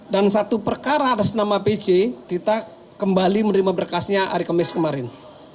dan satu perkara ada senama pc kita kembali menerima berkasnya hari kemis kemarin